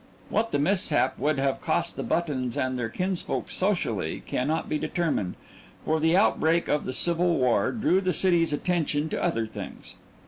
What the mishap would have cost the Buttons and their kinsfolk socially cannot be determined, for the outbreak of the Civil War drew the city's attention to other things.